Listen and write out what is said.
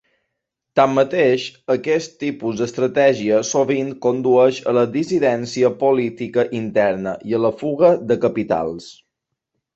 Tanmateix, aquest tipus d'estratègia sovint condueix a la dissidència política interna i a la fuga de capitals.